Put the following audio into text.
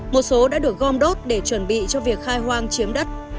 một số đã được gom đốt để chuẩn bị cho việc khai hoang chiếm đất